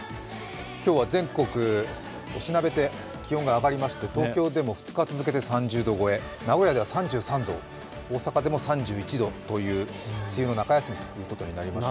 今日は全国、おしなべて気温が上がりまして東京でも２日続けて３０度超え名古屋では３３度、大阪でも３１度という梅雨の中休みということになりました。